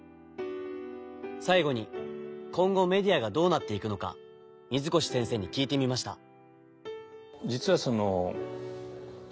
最後に今後メディアがどうなっていくのか水越先生に聞いてみました。